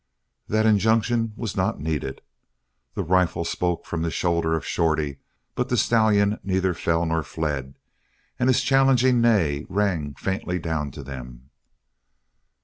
That injunction was not needed. The rifle spoke from the shoulder of Shorty, but the stallion neither fell nor fled, and his challenging neigh rang faintly down to them.